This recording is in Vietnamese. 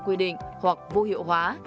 quy định hoặc vô hiệu hóa